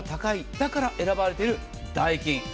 だから選ばれているダイキン。